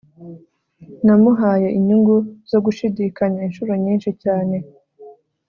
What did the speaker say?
namuhaye inyungu zo gushidikanya inshuro nyinshi cyane